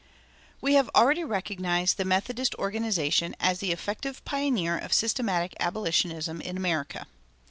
We have already recognized the Methodist organization as the effective pioneer of systematic abolitionism in America.